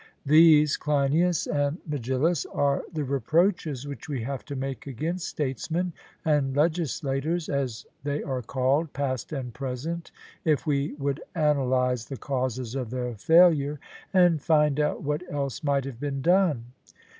These, Cleinias and Megillus, are the reproaches which we have to make against statesmen and legislators, as they are called, past and present, if we would analyse the causes of their failure, and find out what else might have been done.